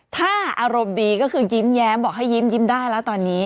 ถ้าอารมณ์ดีก็คือยิ้มแย้มบอกให้ยิ้มได้แล้วตอนนี้